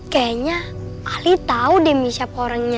kayaknya ali tau deh siapa orangnya